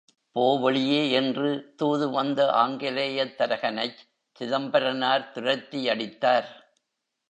போ, வெளியே என்று தூது வந்த ஆங்கிலேயத் தரகனைச் சிதம்பரனார் துரத்தியடித்தார்.